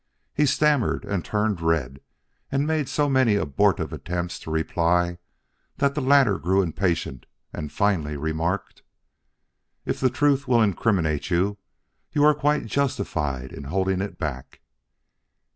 He stammered and turned red and made so many abortive attempts to reply that the latter grew impatient and finally remarked: "If the truth will incriminate you, you are quite justified in holding it back!"